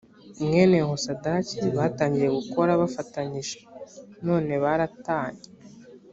mwene yosadaki batangiye gukora bafatanije none baratanye